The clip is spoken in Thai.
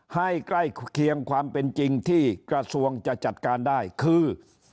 ให้ใกล้เคียงความเป็นจริงที่กระทรวงจะจัดการได้คือ